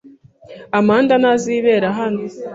Amanda ntazi ibibera hano.